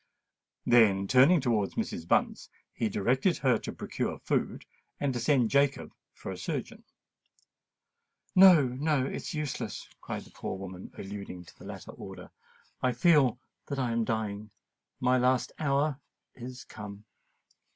Then, turning towards Mrs. Bunce, he directed her to procure food and to send Jacob for a surgeon. "No—no, it's useless," cried the poor woman, alluding to the latter order. "I feel that I am dying—my last hour is come!"